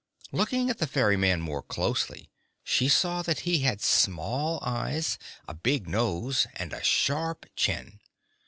Looking at the ferryman more closely she saw that he had small eyes, a big nose, and a sharp chin.